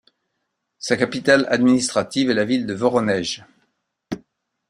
Sa capitale administrative est la ville de Voronej.